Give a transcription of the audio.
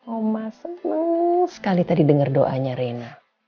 oma seneng sekali tadi denger doanya reina